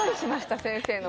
先生の。